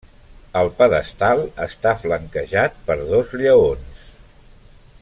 El pedestal està flanquejat per dos lleons.